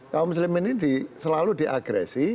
kaum muslim ini selalu diagresi